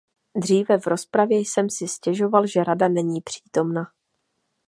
Dříve v rozpravě jsem si stěžoval, že Rada není přítomna.